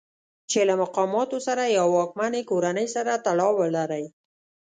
چې له مقاماتو سره یا واکمنې کورنۍ سره تړاو ولرئ.